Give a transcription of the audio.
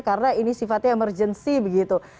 karena ini sifatnya emergency begitu